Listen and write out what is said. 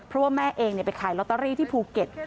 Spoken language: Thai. เพราะว่าแม่เองไปขายลอตเตอรี่ที่ภูเก็ต